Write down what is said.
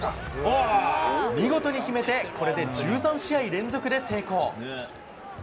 見事に決めてこれで１３試合連続で成功。